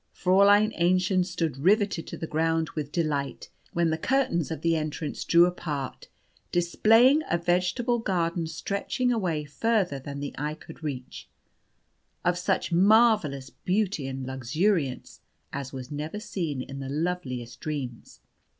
Fräulein Aennchen stood riveted to the ground with delight when the curtains of the entrance drew apart, displaying a vegetable garden stretching away further than the eye could reach, of such marvellous beauty and luxuriance as was never seen in the loveliest dreams.